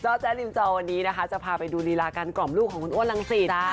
แจ๊ริมจอวันนี้นะคะจะพาไปดูรีลาการกล่อมลูกของคุณอ้วนรังสิต